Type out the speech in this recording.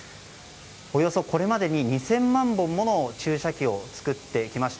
およそ、これまでに２０００万本もの注射器を作っていきました。